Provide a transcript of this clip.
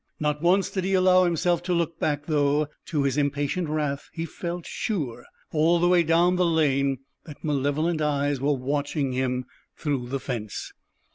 Not once did he allow himself to look back, though, to his impatient wrath, he felt sure all the way down the lane that malevolent eyes were watching him through the fence.